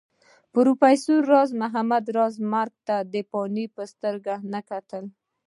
پروفېسر راز محمد راز مرګ ته د فناء په سترګه نه کتل